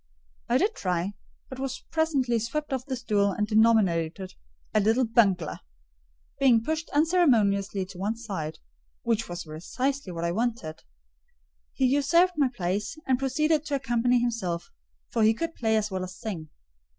I did try, but was presently swept off the stool and denominated "a little bungler." Being pushed unceremoniously to one side—which was precisely what I wished—he usurped my place, and proceeded to accompany himself: for he could play as well as sing.